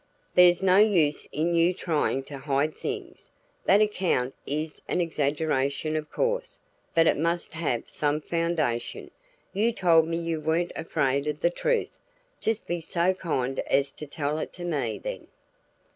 "There's no use in your trying to hide things. That account is an exaggeration of course, but it must have some foundation. You told me you weren't afraid of the truth. Just be so kind as to tell it to me, then.